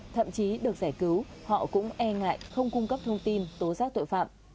thậm chí được giải cứu họ cũng e ngại không cung cấp thông tin tố giác tội phạm